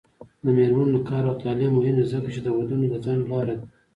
د میرمنو کار او تعلیم مهم دی ځکه چې ودونو ځنډ لاره ده.